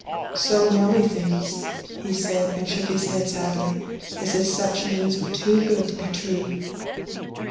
"So Nelly thinks," he said, and shook his head sadly, as if such news were too good to be true.